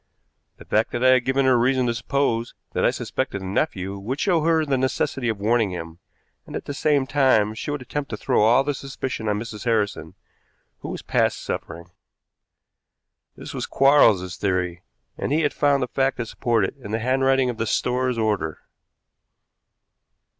The fact that I had given her a reason to suppose that I suspected the nephew would show her the necessity of warning him, and at the same time she would attempt to throw all the suspicion on Mrs. Harrison, who was past suffering. This was Quarles's theory, and he had found the fact to support it in the handwriting of the store's order.